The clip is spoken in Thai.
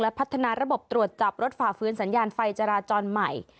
พัฒนาระบบตรวจจับรถฝ่าฟื้นสัญญาณไฟจราจรใหม่